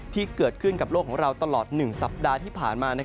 ที่เกิดขึ้นกับโลกของเราตลอด๑สัปดาห์ที่ผ่านมา